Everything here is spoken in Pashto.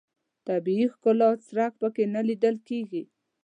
د طبیعي ښکلا څرک په کې نه لیدل کېږي.